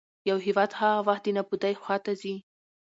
يـو هېـواد هـغه وخـت دې نـابـودۍ خـواتـه ځـي.